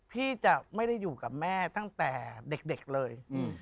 พี่จะไม่ได้อยู่กับแม่ตั้งแต่เด็กเลย